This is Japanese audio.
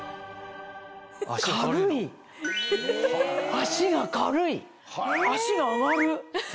脚が軽い脚が上がる！